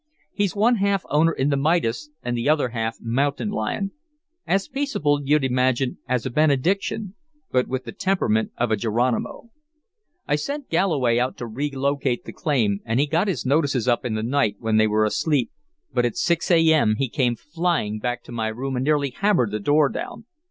He's one half owner in the Midas and the other half mountain lion; as peaceable, you'd imagine, as a benediction, but with the temperament of a Geronimo. I sent Galloway out to relocate the claim, and he got his notices up in the night when they were asleep, but at 6 A.M. he came flying back to my room and nearly hammered the door down.